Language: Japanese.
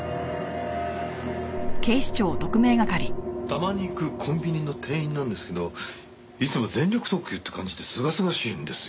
たまに行くコンビニの店員なんですけどいつも全力投球って感じですがすがしいんですよ。